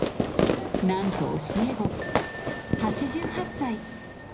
なんと教え子８８歳。